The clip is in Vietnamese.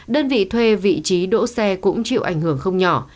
đơn vị thuê vị trí đỗ xe cũng chịu ảnh hưởng không nhỏ